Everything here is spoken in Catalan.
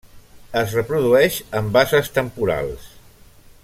Es reprodueix en basses temporals.